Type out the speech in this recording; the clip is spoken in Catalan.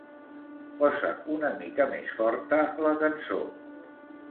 Posa una mica més forta la cançó.